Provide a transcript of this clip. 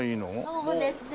そうですね。